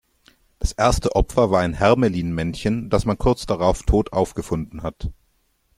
Das erste Opfer war ein Hermelin-Männchen, das man kurz drauf tot aufgefunden hat.